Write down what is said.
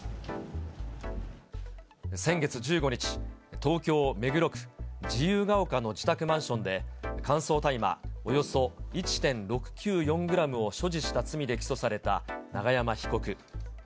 先月１５日、東京・目黒区自由が丘の自宅マンションで、乾燥大麻およそ１．６９４グラムを所持した罪で起訴された永山被告。